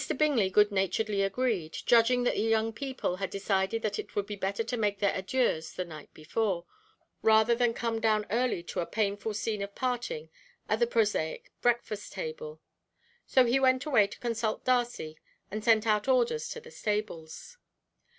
Bingley good naturedly agreed, judging that the young people had decided that it would be better to make their adieux the night before, rather than come down early to a painful scene of parting at the prosaic breakfast table, so he went away to consult Darcy, and send out orders to the stables.